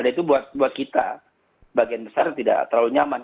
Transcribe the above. itu buat kita bagian besar tidak terlalu nyaman